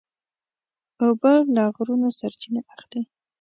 اوبه له غرونو سرچینه اخلي.